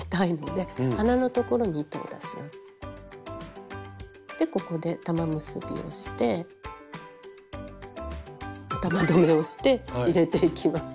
でここで玉結びをして玉留めをして入れていきます。